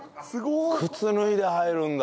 靴脱いで入るんだ。